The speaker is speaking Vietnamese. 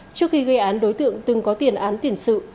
trước khi gây án đối tượng từng có tiền án tiền sự